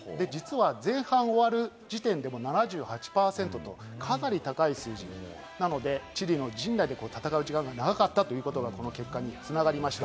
実は前半が終わる時点で７８％と、かなり高い数字なので、チリの陣内で戦う時間が長かったということがこの結果に繋がりました。